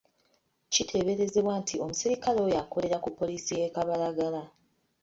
Kiteeberezebwa nti omusirikale oyo akolera ku poliisi y'e Kabalagala.